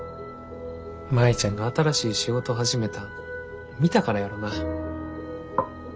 舞ちゃんが新しい仕事始めたん見たからやろな。